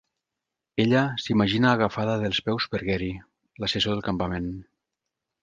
Ella s'imagina agafada dels peus per Gary, l'assessor del campament.